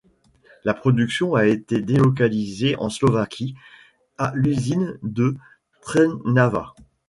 La production a été délocalisée en Slovaquie, à l'usine de Trnava.